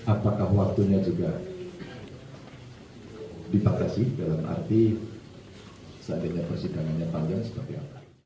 apakah waktunya juga dipakai dalam arti persidangan yang panjang seperti apa